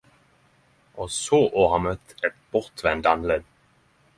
Og så å ha møtt eit bortvend andlet.